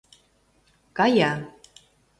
Кая...